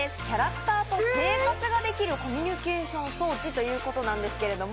キャラクターと生活ができるコミュニケーション装置ということなんですけれども。